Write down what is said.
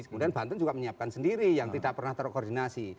kemudian banten juga menyiapkan sendiri yang tidak pernah terkoordinasi